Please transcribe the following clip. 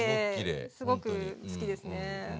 すごく好きですね。